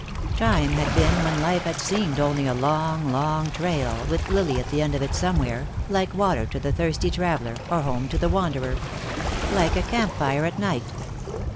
Time had been when life had seemed only a long, long trail, with Lily at the end of it somewhere, like water to the thirsty traveler, or home to the wanderer; like a camp fire at night.